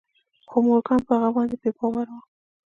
خو مورګان په هغه باندې بې باوره و